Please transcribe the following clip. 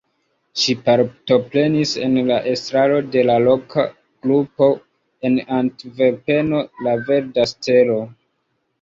Ŝi partoprenis en la estraro de la loka grupo en Antverpeno La Verda Stelo.